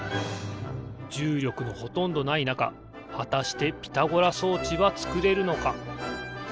じゅうりょくのほとんどないなかはたしてピタゴラ装置はつくれるのか？